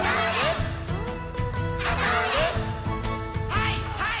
はいはい！